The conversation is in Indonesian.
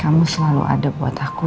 kamu selalu ada buat aku